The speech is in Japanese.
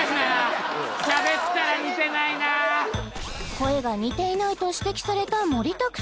声が似ていないと指摘されたモリタク！